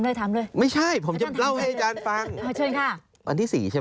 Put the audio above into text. แล้วก็มีแผนที่เขตรักษาพันธุ์สัตว์ป่า